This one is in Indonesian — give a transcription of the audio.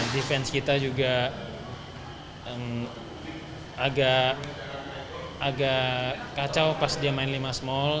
defensi kita juga agak kacau pas dia main lima menit ke empat